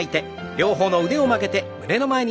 両方の腕を曲げて胸の前に。